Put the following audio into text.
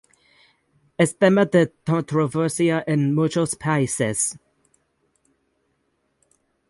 Es tema de controversia en muchos países.